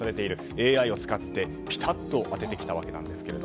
ＡＩを使ってピタッと当ててきたわけですが。